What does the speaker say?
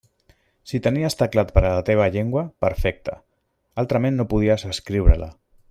Si tenies teclat per a la teva llengua, perfecte; altrament no podies escriure-la.